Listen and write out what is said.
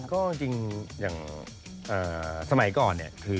อย่างตอนนี้ก็สมัยก่อน